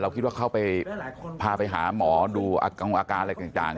คิดว่าเขาไปพาไปหาหมอดูอาการอะไรต่าง